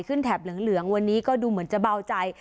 ขึ้นแถบเหลืองเหลืองวันนี้ก็ดูเหมือนจะเบาใจ